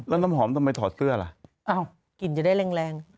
แล้วน้ำหอมทำไมถอดเสื้อล่ะอ้าวกลิ่นจะได้แรง